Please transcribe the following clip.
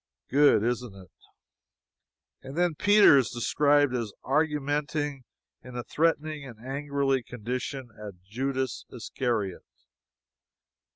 Good, isn't it? And then Peter is described as "argumenting in a threatening and angrily condition at Judas Iscariot."